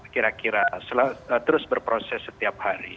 kira kira terus berproses setiap hari